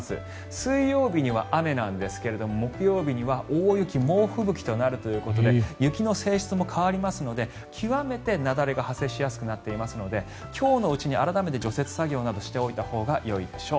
水曜日には雨なんですが木曜日には大雪、猛吹雪になるということで雪の性質も変わりますので極めて雪崩が発生しやすくなっていますので今日のうちに改めて除雪作業などをしておいたほうがいいでしょう。